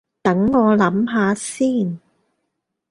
等我諗吓先